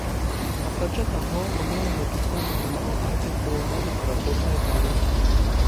Апрача таго, мною напісана не мала артыкулаў на літаратурныя тэмы.